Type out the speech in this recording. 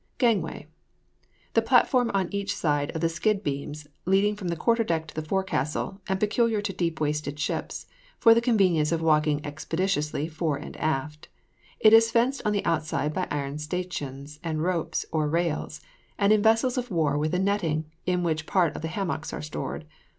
GANGWAY. The platform on each side of the skid beams leading from the quarter deck to the forecastle, and peculiar to deep waisted ships, for the convenience of walking expeditiously fore and aft; it is fenced on the outside by iron stanchions and ropes, or rails, and in vessels of war with a netting, in which part of the hammocks are stowed.